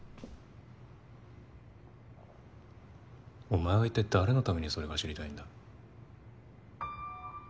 お前はいったい誰のためにそれが知りたいんだ？